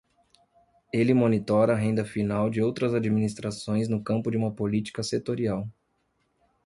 Ele monitora a renda final de outras administrações no campo de uma política setorial.